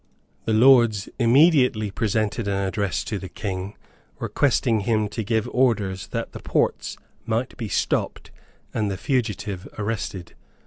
The Lords immediately presented an address to the King, requesting him to give orders that the ports might be stopped and the fugitive arrested.